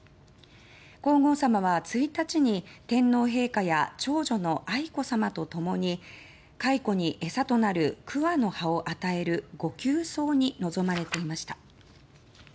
皇后さまは１日に、天皇陛下や長女の愛子さまと共に蚕に餌となる桑の葉を与える御給桑に臨まれていました。